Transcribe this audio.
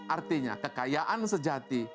artinya kekayaan sejati